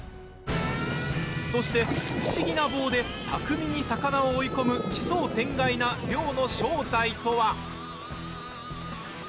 そして、不思議な棒で巧みに魚を追い込む奇想天外な漁の正体とは。